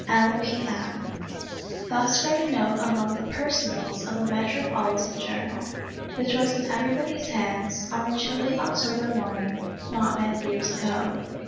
l. p. m." > Thus read a note among the " Personals " of a metropolitan journal, which was in everybody's hands, on a chilly October morning, not many years ago.